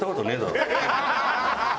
「ハハハハ！」